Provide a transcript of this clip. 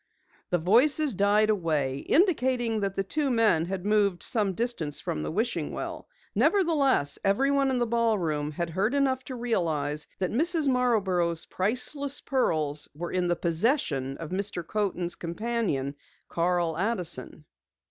The voices died away, indicating that the two men had moved some distance from the wishing well. Nevertheless, everyone in the ballroom had heard enough to realize that Mrs. Marborough's priceless pearls were in the possession of Mr. Coaten's companion, Carl Addison.